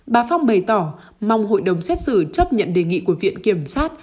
bà phong bày tỏ mong hội đồng xét xử chấp nhận đề nghị của viện kiểm sát